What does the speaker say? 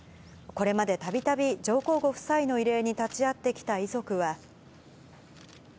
これまでたびたび上皇ご夫妻の慰霊に立ち会ってきた遺族は。